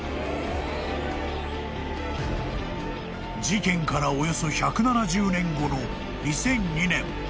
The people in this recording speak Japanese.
［事件からおよそ１７０年後の２００２年］